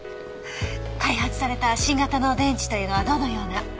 開発された新型の電池というのはどのような？